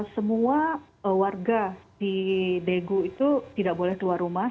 semua warga di daegu itu tidak boleh keluar rumah